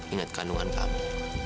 ingat kandungan kamu